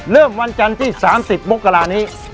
เริ่มวันจันทร์ที่๓๐มกรานี้